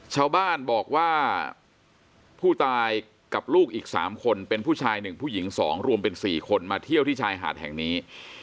ชาวบ้านบอกว่าผู้ตายกับลูกอีก๓คนเป็นผู้ชาย๑ผู้หญิง๒รวมเป็น๔คนมาเที่ยวที่ชายหาดแห่งนี้